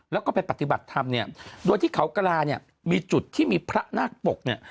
แล้วก็ไปปฏิบัติธรรมเนี่ยโดยที่เขากระลาเนี่ยมีจุดที่มีพระนาคปกเนี่ย